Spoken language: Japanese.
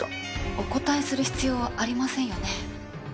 お答えする必要ありませんよね？